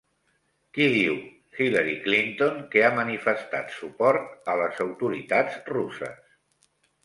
Qui diu Hillary Clinton que ha manifestat suport a les autoritats russes?